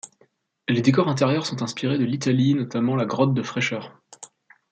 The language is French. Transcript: Les décors intérieurs sont inspirés de l'Italie, notamment la grotte de fraîcheur.